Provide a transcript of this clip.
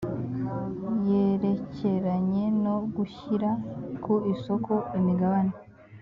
yerekeranye no gushyira ku isoko imigabane